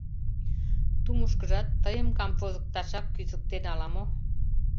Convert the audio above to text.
Тумышкыжат тыйым камвозыкташак кӱзыктен ала-мо?